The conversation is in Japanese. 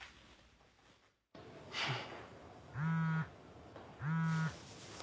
フッ。